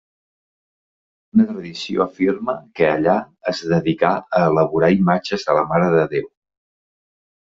Una tradició afirma que allà es dedicà a elaborar imatges de la Mare de Déu.